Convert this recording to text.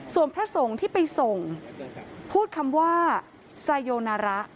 ส่วนพระสงฆ์ที่ไปส่งพูดคำว่าไซโยนาระ